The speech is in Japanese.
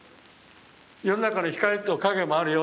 世の中の光と影もあるよ。